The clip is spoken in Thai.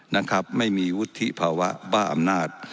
นะครับไม่มีวุฒิภาวะบ้าอำนาจ